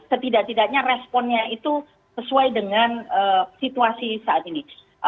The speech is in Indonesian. setidak tidaknya responnya itu sesuai dengan situasi saat ini